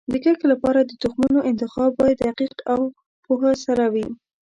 د کښت لپاره د تخمونو انتخاب باید دقیق او پوهه سره وي.